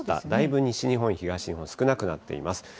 だいぶ西日本、東日本、少なくなっています。